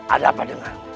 ada apa denganmu